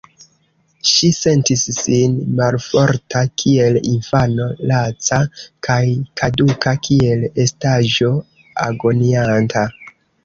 Ŝi sentis sin malforta kiel infano, laca kaj kaduka kiel estaĵo agonianta.